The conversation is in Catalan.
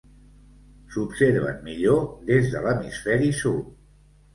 S'observen millor des de l'hemisferi sud.